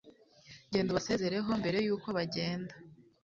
genda ubasezeraho mbere yuko bagenda